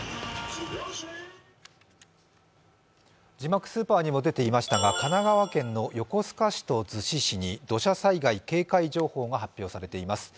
字幕スーパーにも出ていましたが、神奈川県横須賀市と逗子市に土砂災害警戒情報が発表されています。